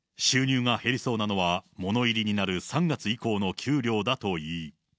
収入が減りそうなのは、ものいりになる３月以降の給料だといい。